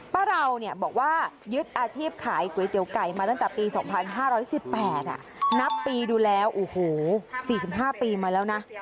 ป้าเราบอกว่ายึดอาชีพขายก๋วยเตี๋ยวก๋วยเตี๋ยวไก่มาตั้งแต่ปี๒๕๑๘นับปีดูแล๔๕ปีมาแล้วนะ